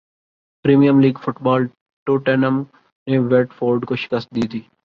premiere league football Tottenham نے Watford کو شکست دیدی